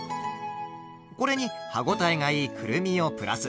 これに歯応えがいいくるみをプラス。